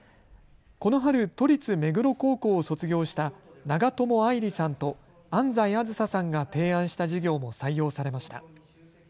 この春、都立目黒高校を卒業した長友愛理さんと安齋杏紗さんが提案した事業も採用されました。